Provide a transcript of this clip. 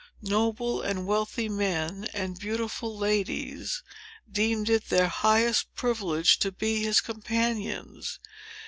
Noble and wealthy men, and beautiful ladies, deemed it their highest privilege to be his companions.